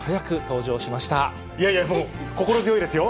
いやいやもう、心強いですよ。